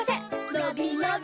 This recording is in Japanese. のびのび